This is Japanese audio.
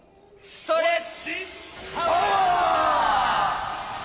ストレッ！